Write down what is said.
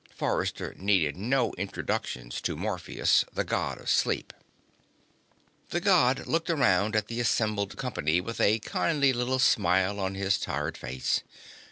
Forrester needed no introductions to Morpheus, the God of Sleep. The God looked around at the assembled company with a kindly little smile on his tired face.